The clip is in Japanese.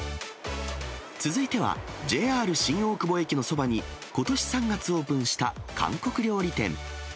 続いては、ＪＲ新大久保駅のそばに、ことし３月オープンした韓国料理店。